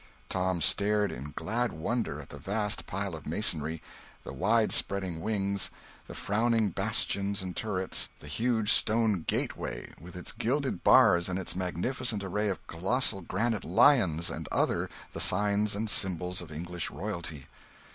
Tom stared in glad wonder at the vast pile of masonry, the wide spreading wings, the frowning bastions and turrets, the huge stone gateway, with its gilded bars and its magnificent array of colossal granite lions, and other the signs and symbols of English royalty.